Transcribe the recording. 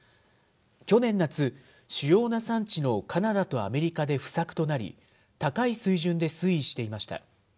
去年夏、主要な産地のカナダとアメリカで不作となり、高い水準で推移していました。